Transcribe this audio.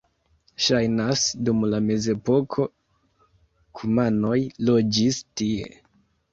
Ŝajnas, dum la mezepoko kumanoj loĝis tie.